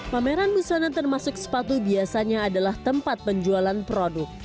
pameran busana termasuk sepatu biasanya adalah tempat penjualan produk